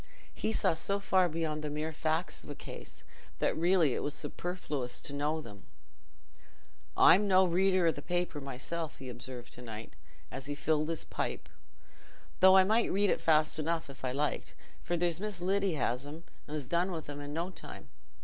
He saw so far beyond the mere facts of a case that really it was superfluous to know them. "I'm no reader o' the paper myself," he observed to night, as he filled his pipe, "though I might read it fast enough if I liked, for there's Miss Lyddy has 'em and 's done with 'em i' no time.